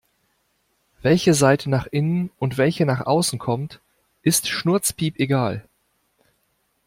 Welche Seite nach innen und welche nach außen kommt, ist schnurzpiepegal.